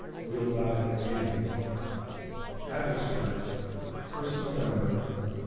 We'll bob it again." ABBOTSFORD, 1st November, 1830.